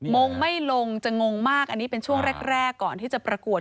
งงไม่ลงจะงงมากอันนี้เป็นช่วงแรกก่อนที่จะประกวด